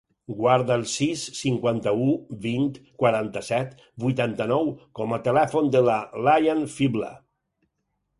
Guarda el sis, cinquanta-u, vint, quaranta-set, vuitanta-nou com a telèfon de la Layan Fibla.